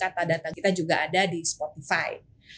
data data kita juga ada di spotify